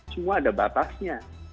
semua ada batasnya